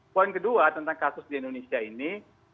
poin kedua tentang kasus di indonesia ini